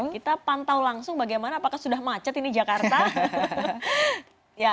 kita pantau langsung bagaimana apakah sudah macet ini jakarta